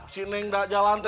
si neng nggak jalan itu tahu